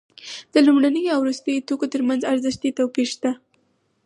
د لومړنیو او وروستیو توکو ترمنځ ارزښتي توپیر شته